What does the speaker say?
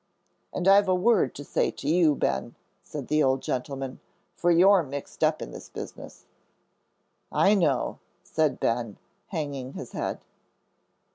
"And I've a word to say to you, Ben," said the old gentleman, "for you're mixed up in this business." "I know," said Ben, hanging his head.